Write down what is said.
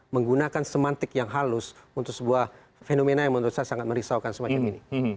menggunakan semantik yang halus untuk sebuah fenomena yang menurut saya sangat merisaukan semacam ini